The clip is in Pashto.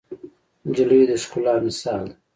نجلۍ د ښکلا مثال ده.